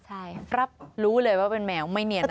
ใช่รับรู้เลยว่าเป็นแมวไม่เนียน